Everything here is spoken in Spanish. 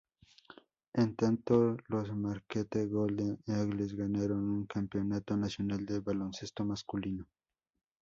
En tanto, los Marquette Golden Eagles ganaron un campeonato nacional de baloncesto masculino.